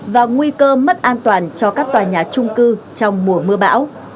và nguy cơ mất an toàn cho các tòa nhà trung cư trong mùa mưa bão